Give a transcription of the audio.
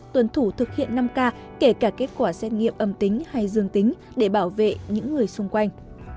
tuần thủ thực hiện năm k kể cả kết quả xét nghiệm âm tính hay dương tính để bảo vệ những người xung quanh